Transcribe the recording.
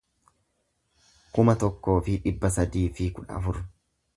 kuma tokkoo fi dhibba sadii fi kudha afur